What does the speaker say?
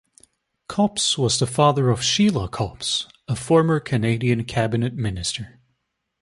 Copps was the father of Sheila Copps, a former Canadian cabinet minister.